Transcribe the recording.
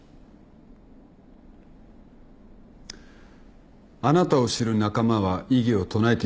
あなたを知る仲間は異議を唱えている。